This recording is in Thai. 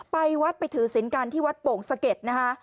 ไปวัดไปถือศิลป์กันที่วัดโป่งสะเก็ดนะคะ